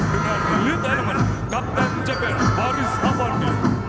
dengan lead element kapten cpn baris abadi